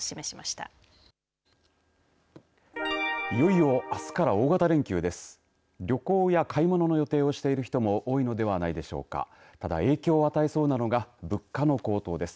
ただ影響を与えそうなのが物価の高騰です。